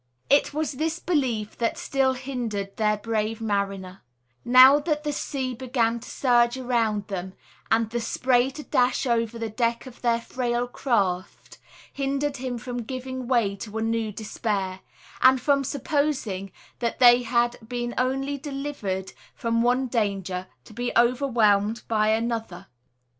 It was this belief that still hindered the brave mariner, now that the sea began to surge around them, and the spray to dash over the deck of their frail craft, hindered him from giving way to a new despair; and from supposing that they had been only delivered from one danger to be overwhelmed by another.